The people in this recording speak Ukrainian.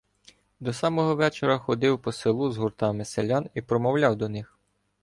До самого вечора ходив по селу з гуртами селян і промовляв до них.